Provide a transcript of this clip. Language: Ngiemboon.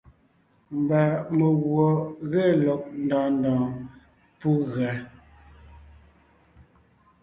Mba meguɔ ge lɔg ndɔɔn ndɔɔn pú gʉa.